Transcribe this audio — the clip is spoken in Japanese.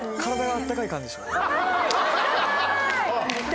あっ！